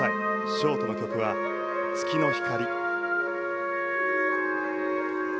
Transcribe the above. ショートの曲は『月の光』。